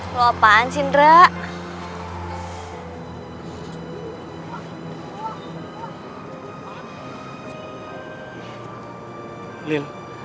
udah nak ngedepan those